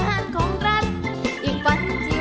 นะฮะเอาละครับพร้อมไหมครับไอ้เตย